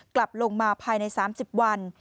กลับลงมาภายใน๓๐วัน